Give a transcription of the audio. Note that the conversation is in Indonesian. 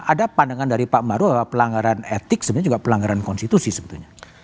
ada pandangan dari pak maruf pelanggaran etik sebenarnya juga pelanggaran konstitusi sebetulnya